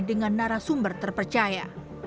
dengan narasumber terpercaya